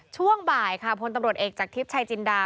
ช่วงบ่ายค่ะพลตำรวจเอกจากทิพย์ชายจินดา